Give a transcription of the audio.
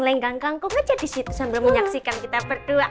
lenggang kangkuk aja disitu sambil menyaksikan kita berdua